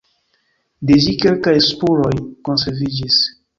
De ĝi kelkaj spuroj konserviĝis.